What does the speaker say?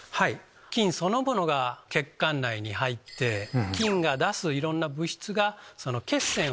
菌そのものが血管内に入って菌が出すいろんな物質が血栓を作る。